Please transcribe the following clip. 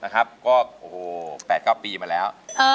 นะครับก็โอ้โห๘๙ปีมาแล้ว